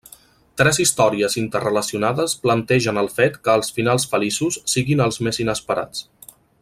Tres històries interrelacionades plantegen el fet que els finals feliços siguin els més inesperats.